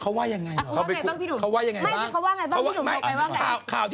อ่านไป